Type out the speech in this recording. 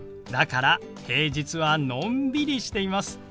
だから平日はのんびりしています。